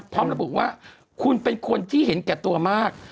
พร้อมระบุว่าคุณเป็นคนที่เห็นแก่ตัวมาก